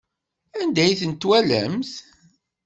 Anda ay tent-twalamt?